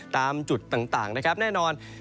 ตามจุดต่างนะครับแน่นอน